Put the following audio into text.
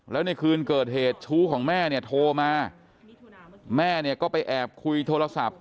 แล้วในคืนเกิดเหตุชู้ของแม่เนี่ยโทรมาแม่เนี่ยก็ไปแอบคุยโทรศัพท์